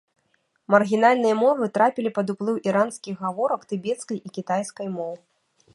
Маргінальныя мовы трапілі пад уплыў іранскіх гаворак, тыбецкай і кітайскай моў.